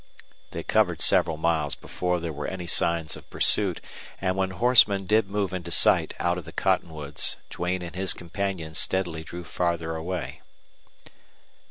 They covered several miles before there were any signs of pursuit, and when horsemen did move into sight out of the cottonwoods Duane and his companion steadily drew farther away.